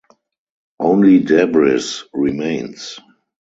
Only debris remains.